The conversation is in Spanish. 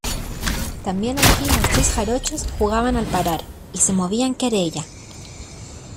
también allí los dos jarochos jugaban al parar, y se movían querella.